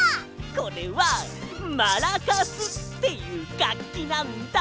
これはマラカスっていうがっきなんだ！